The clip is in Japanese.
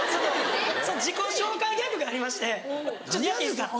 自己紹介ギャグがありましてちょっとやっていいですか？